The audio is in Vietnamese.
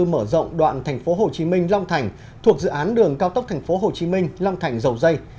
mở rộng đoạn tp hcm long thành thuộc dự án đường cao tốc tp hcm long thành dầu dây